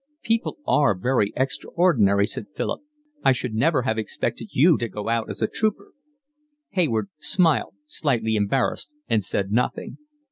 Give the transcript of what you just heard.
"People are very extraordinary," said Philip. "I should never have expected you to go out as a trooper." Hayward smiled, slightly embarrassed, and said nothing.